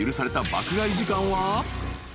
爆買い時間は］